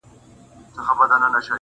د راتپلې حادثې ابتدا څنګه اوکړم؟